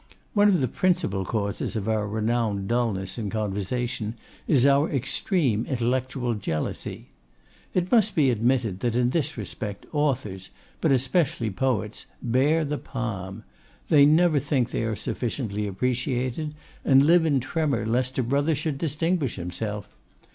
One of the principal causes of our renowned dulness in conversation is our extreme intellectual jealousy. It must be admitted that in this respect authors, but especially poets, bear the palm. They never think they are sufficiently appreciated, and live in tremor lest a brother should distinguish himself.